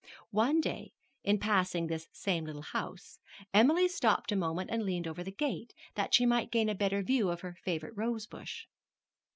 One day, in passing this same little house, Emily stopped a moment and leaned over the gate, that she might gain a better view of her favorite rosebush.